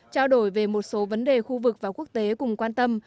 trao đổi về một số vấn đề khu vực và quốc tế cùng quan tâm